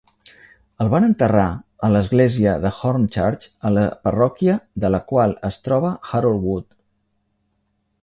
El van enterrar a l'església de Hornchurch, a la parròquia de la qual es troba Harold Wood.